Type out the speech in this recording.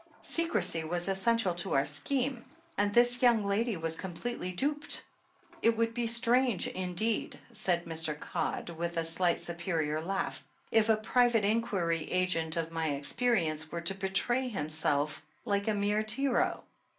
Secrecy was es sential to our scheme, and this young lady was com pletely duped. It would be strange indeed," said Mr. Codd, with a slight, superior laugh, "if a private in quiry agent of my experience were to betray himself like a mere tyro."